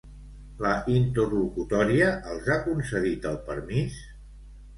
La interlocutòria els ha concedit el permís?